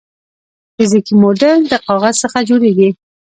فزیکي موډل د کاغذ څخه جوړیږي.